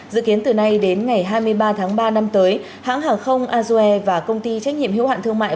dự kiến từ nay đến ngày hai mươi ba tháng ba năm tới hãng hàng không azue và công ty trách nhiệm hữu hạn thương mại